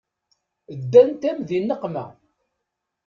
Ddant-am di nneqma.